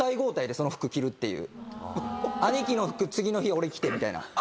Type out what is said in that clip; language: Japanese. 兄貴の服次の日俺着てみたいな。